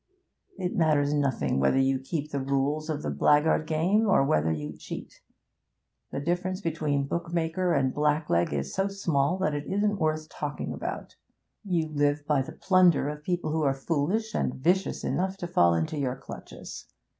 It matters nothing whether you keep the rules of the blackguard game, or whether you cheat; the difference between bookmaker and blackleg is so small that it isn't worth talking about. You live by the plunder of people who are foolish and vicious enough to fall into your clutches.